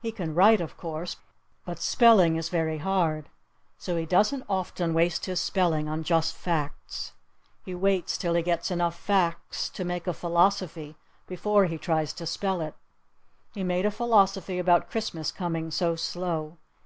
He can write, of course. But spelling is very hard. So he doesn't often waste his spelling on just facts. He waits till he gets enough facts to make a philosophy before he tries to spell it: He made a philosophy about Christmas coming so slow.